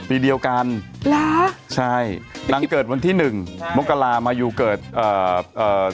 ปีเดียวกันเหรอใช่หลังเกิดวันที่หนึ่งมกรามายูเกิดเอ่อเอ่อ